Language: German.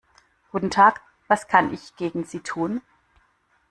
Guten Tag, was kann ich gegen Sie tun?